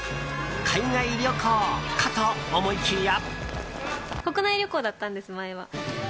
海外旅行かと思いきや。